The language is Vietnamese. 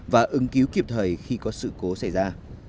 và ứng cứu kịp thời khi có sự cố xảy ra